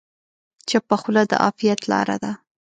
چپه خوله، د عافیت لاره ده.